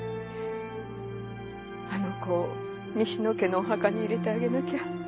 あの子を西野家のお墓に入れてあげなきゃ。